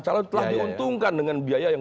calon telah diuntungkan dengan biaya yang